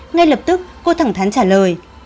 ngay lập tức cô thẳng thắn trả lời